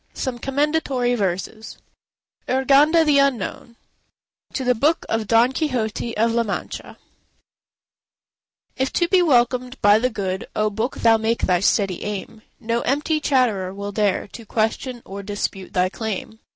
SOME COMMENDATORY VERSES URGANDA THE UNKNOWN To the book of Don Quixote of la Mancha If to be welcomed by the good, O Book! thou make thy steady aim, No empty chatterer will dare To question or dispute thy claim.